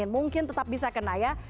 mungkin tetap bisa kena ya